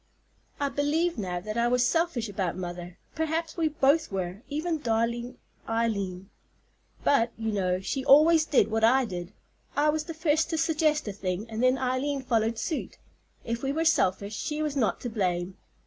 I believe now that I was selfish about mother; perhaps we both were, even darling Eileen; but, you know, she always did what I did. I was the first to suggest a thing, and then Eileen followed suit. If we were selfish she was not to blame.